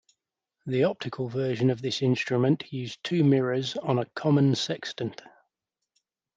The optical version of this instrument used two mirrors on a common sextant.